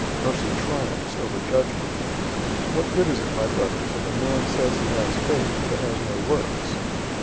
Mercy triumphs over judgment. 002:014 What good is it, my brothers, if a man says he has faith, but has no works?